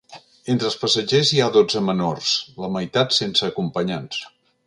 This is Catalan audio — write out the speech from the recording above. Entre els passatgers hi ha dotze menors, la meitat sense acompanyants.